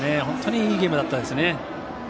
本当にいいゲームだったですね。